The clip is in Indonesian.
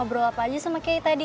ngobrol apa aja sama kei tadi